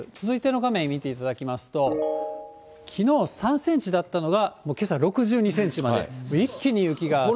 続いての画面見ていただきますと、きのう３センチだったのが、もうけさ６２センチまで、一気に雪が。